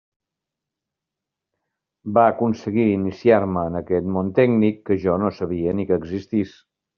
Va aconseguir iniciar-me en aquest món tècnic que jo no sabia ni que existís.